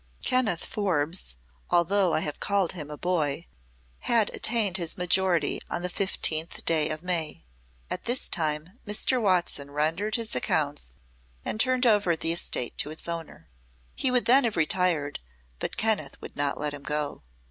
Kenneth Forbes, although I have called him a boy, had attained his majority on the fifteenth day of May. At this time Mr. Watson rendered his accounts and turned over the estate to its owner. He would then have retired, but Kenneth would not let him go.